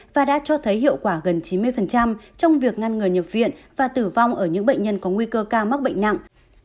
và đã cho thấy hiệu quả gần chín mươi trong việc ngăn ngừa nhập viện và tử vong ở những bệnh nhân có nguy cơ ca mắc bệnh nặng